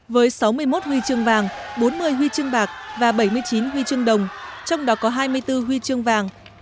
với sáu mươi một huy chương vàng bốn mươi huy chương bạc và bảy mươi chín huy chương đồng trong đó có hai mươi bốn huy chương vàng